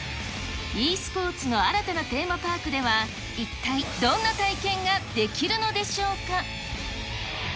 ｅスポーツの新たなテーマパークでは、一体どんな体験ができるのでしょうか。